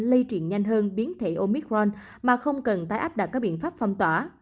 lây truyền nhanh hơn biến thể omicron mà không cần tái áp đặt các biện pháp phong tỏa